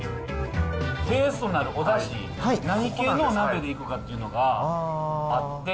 ベースとなるおだし、何系のお鍋でいくかっていうのがあって。